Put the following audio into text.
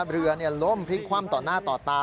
เรือล้มพลิกคว่ำต่อหน้าต่อตา